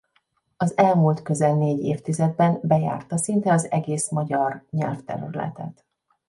Az elmúlt közel négy évtizedben bejárta szinte az egész magyar nyelvterületet.